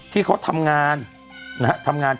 ที่เขาทำงาน